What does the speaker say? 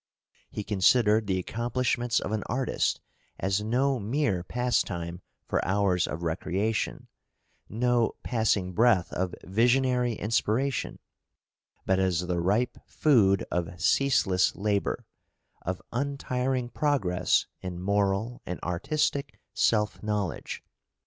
He considered the accomplishments of an artist as no mere pastime for hours of recreation, no passing breath of visionary inspiration; but as the ripe food of ceaseless labour, of untiring progress in moral and artistic self knowledge.